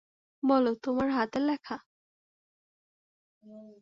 বল, তোমার হাতের লেখা?